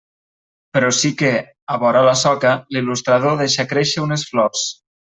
Però sí que, a vora la soca, l'il·lustrador deixa créixer unes flors.